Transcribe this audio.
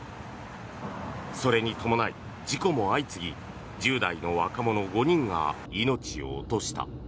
それに伴い事故も相次ぎ１０代の若者５人が命を落とした。